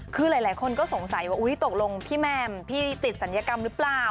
คือหลายคนก็สงสัยว่าตกลงพี่แมมพี่ติดศัลยกรรมหรือเปล่า